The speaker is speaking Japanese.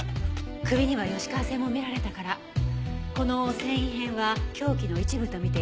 首には吉川線も見られたからこの繊維片は凶器の一部と見てよさそうね。